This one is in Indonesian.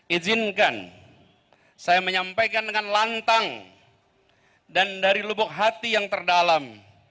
izinkan saya menyampaikan dengan lantang dan dari lubuk hati yang terdalam